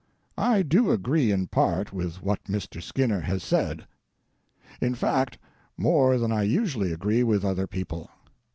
I do agree in part with what Mr. Skinner has said. In fact, more than I usually agree with other people.